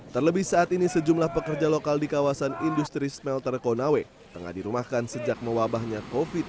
terlebih saat ini sejumlah pekerja lokal di kawasan industri smelter konawe tengah dirumahkan sejak mewabahnya covid sembilan belas